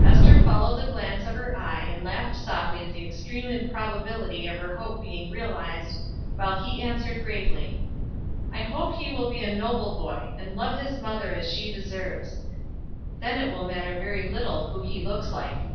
Ester followed the glance of her eye, and laughed softly at the extreme improbability of her hope being realized, while he answered gravely: "I hope he will be a noble boy, and love his mother as she deserves; then it will matter very little who he looks like."